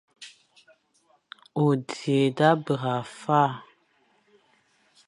O dighé da bera fa.